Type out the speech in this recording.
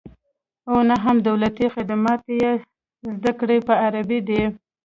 او نه هم دولتي خدمات یې زده کړې په عربي دي